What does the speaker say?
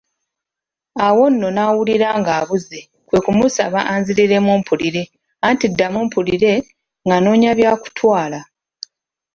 Awo nno nawulira ng'abuze kwe kumusaba anziriremu mpulire, anti ddamu mpulire, ng'anoonya bya kutwala.